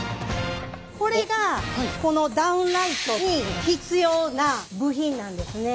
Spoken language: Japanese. これがこのダウンライトに必要な部品なんですね。